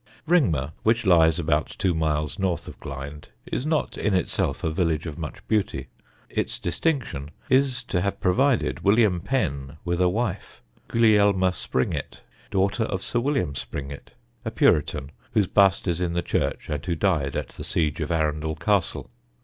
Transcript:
Ringmer, which lies about two miles north of Glynde, is not in itself a village of much beauty. Its distinction is to have provided William Penn with a wife Gulielma Springett, daughter of Sir William Springett, a Puritan, whose bust is in the church and who died at the siege of Arundel Castle.